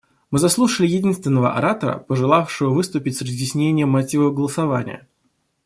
Мы заслушали единственного оратора, пожелавшего выступить с разъяснением мотивов голосования.